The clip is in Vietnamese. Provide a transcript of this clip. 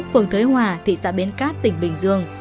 phường thới hòa thị xã bến cát tỉnh bình dương